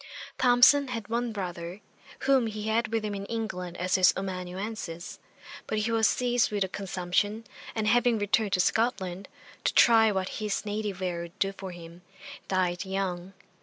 Thomson had one brother, whom he had with him in England as his amanuensis; but he was seized with a consumption, and having returned to Scotland, to try what his native air would do for him, died young.